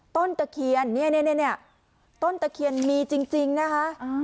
ตะเคียนเนี่ยต้นตะเคียนมีจริงนะคะ